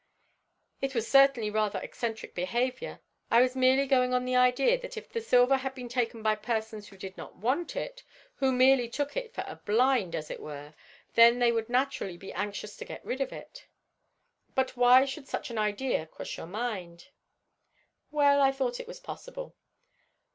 "It was certainly rather eccentric behaviour. I was merely going on the idea that if the silver had been taken by persons who did not want it, who merely took it for a blind as it were, then they would naturally be anxious to get rid of it." "But why should such an idea cross your mind?" "Well, I thought it was possible.